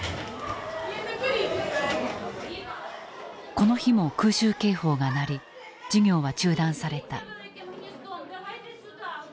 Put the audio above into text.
この日も空襲警報が鳴り授業は中断された。